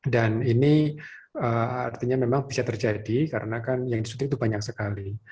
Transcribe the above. dan ini artinya memang bisa terjadi karena kan yang disuntik itu banyak sekali